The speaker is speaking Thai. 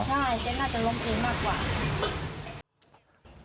ใช่แก่งน่าจะล้มเองมากกว่า